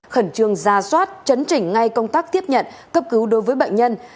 khẩn trương ra soát chấn chỉnh ngay công tác tiếp nhận cấp cứu đối với bệnh nhân